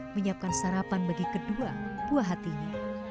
menyiapkan sarapan bagi kedua buah hatinya